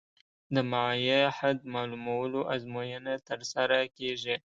د مایع حد معلومولو ازموینه ترسره کیږي